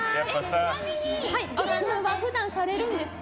ちなみに、ゲームは普段されるんですか？